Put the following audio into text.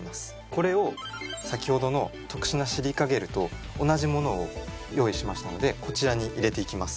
これを先ほどの特殊なシリカゲルと同じものを用意しましたのでこちらに入れていきます。